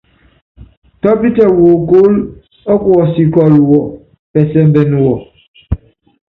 Tɔ́pítɛ wokóólo ɔ́kuɔsikɔ́lu wɔ, pɛ́sɛmbɛ wɔ.